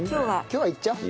今日はいっちゃおう。